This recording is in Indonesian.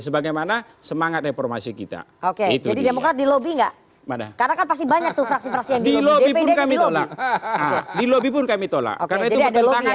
sebagaimana semangat reformasi kita oke itu di lobi enggak karena pasti banyak